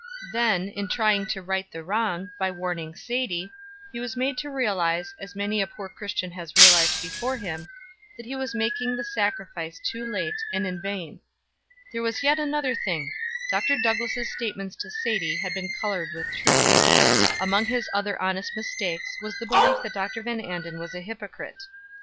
Then, in trying to right the wrong, by warning Sadie, he was made to realize, as many a poor Christian has realized before him, that he was making the sacrifice too late, and in vain. There was yet another thing Dr. Douglass' statements to Sadie had been colored with truth. Among his other honest mistakes was the belief that Dr. Van Anden was a hypocrite.